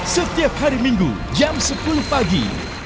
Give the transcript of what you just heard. setiap hari minggu jam sepuluh pagi